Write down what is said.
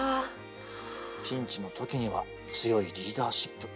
ピンチの時には強いリーダーシップ。